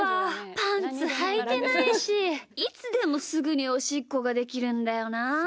パンツはいてないしいつでも、すぐにおしっこができるんだよなあ。